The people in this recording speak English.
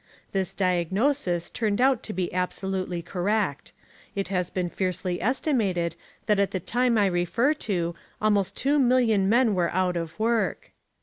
This diagnosis turned out to be absolutely correct. It has been freely estimated that at the time I refer to almost two million men were out of work.